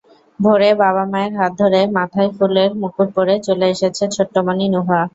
ভোরে বাবা-মায়ের হাত ধরে মাথায় ফুলের মুকুট পরে চলে এসেছে ছোট্টমণি নুহা।